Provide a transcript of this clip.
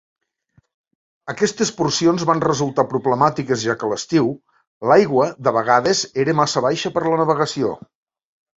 Aquestes porcions van resultar problemàtiques ja que a l'estiu, l'aigua de vegades era massa baixa per a la navegació.